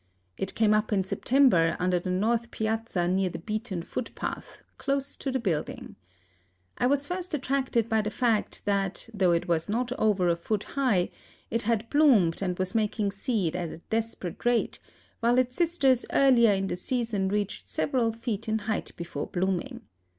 It came up in September under the north piazza near the beaten foot path; close up to the building. I was first attracted by the fact that, though it was not over a foot high, it had bloomed and was making seed at a desperate rate, while its sisters earlier in the season reached several feet in height before blooming.